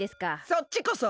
そっちこそ。